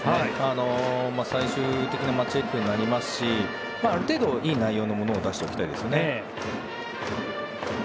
最終的なチェックになりますしある程度いい内容のものを出しておきたいですよね。